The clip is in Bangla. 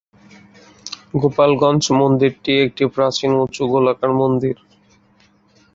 গোপালগঞ্জ মন্দিরটি একটি প্রাচীন উঁচু গোলাকার মন্দির।